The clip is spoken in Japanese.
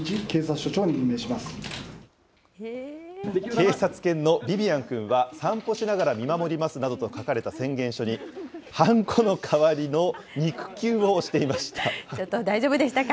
警察犬のビビアンくんは、散歩しながら見守りますなどと書かれた宣言書に、はんこの代わりちょっと、大丈夫でしたか？